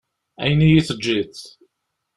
Ayen i yi-teǧǧiḍ.